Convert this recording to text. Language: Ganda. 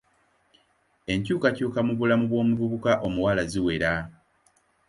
Enkyukakyuka mu bulamu bw'omuvubuka omuwala ziwera.